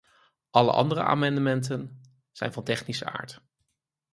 Alle andere amendementen zijn van technische aard.